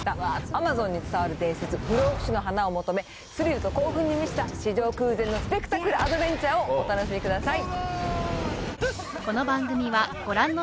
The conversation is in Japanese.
アマゾンに伝わる伝説不老不死の花を求めスリルと興奮に満ちた史上空前のスペクタクル・アドベンチャーをお楽しみください。